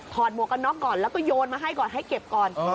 หมวกกันน็อกก่อนแล้วก็โยนมาให้ก่อนให้เก็บก่อน